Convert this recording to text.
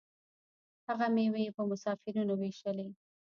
هغه میوې په مسافرینو ویشلې.